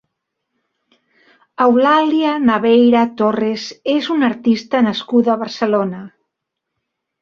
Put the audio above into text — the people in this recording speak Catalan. Eulàlia Naveira Torres és una artista nascuda a Barcelona.